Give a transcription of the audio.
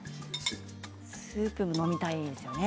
スープも飲みたいですよね